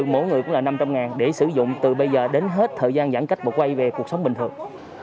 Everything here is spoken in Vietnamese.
mỗi người cũng là năm trăm linh để sử dụng từ bây giờ đến hết thời gian giãn cách và quay về cuộc sống bình thường